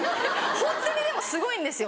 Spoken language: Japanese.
ホントにでもすごいんですよ。